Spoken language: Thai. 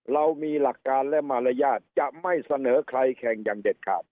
เรามีหลักการและมารยาทจะไม่เสนอใครแข่งอย่างเด็ดขาด